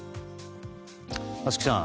松木さん